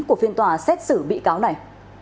của phiên tòa xét xử bị cáo này